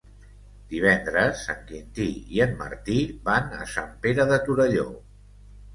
Divendres en Quintí i en Martí van a Sant Pere de Torelló.